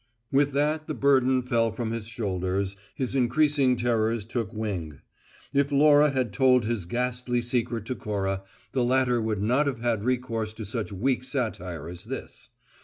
With that, the burden fell from his shoulders, his increasing terrors took wing. If Laura had told his ghastly secret to Cora, the latter would not have had recourse to such weak satire as this.